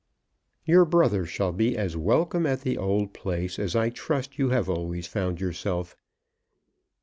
"Your brother shall be as welcome at the old place as I trust you have always found yourself.